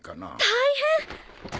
大変！